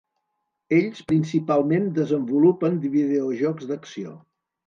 Ells principalment desenvolupen videojocs d'acció.